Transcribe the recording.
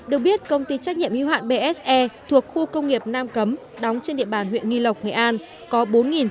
được biết công ty trách nhiệm y hoạn bse thuộc khu công nghiệp nam cấm đóng trên địa bàn huyện nghi lộc nghệ an